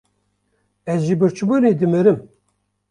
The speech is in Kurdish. Ez ji birçîbûnê dimirim!